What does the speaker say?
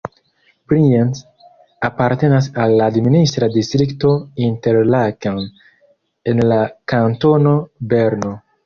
Brienz apartenas al la administra distrikto Interlaken en la kantono Berno.